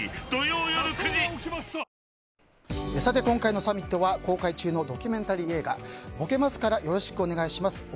今回のサミットは公開中のドキュメンタリー映画「ぼけますから、よろしくお願いします。